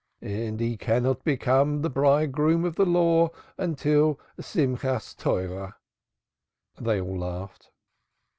"And he cannot become the Bridegroom of the Law till Simchath Torah." All laughed.